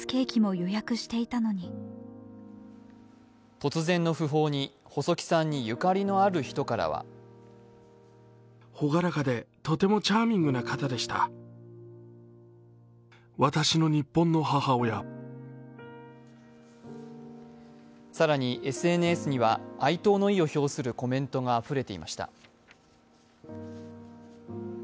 突然の訃報に、細木さんにゆかりのある人からは更に、ＳＮＳには哀悼の意を送るコメントがあふれていました。